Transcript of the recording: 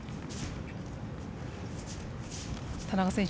田中選手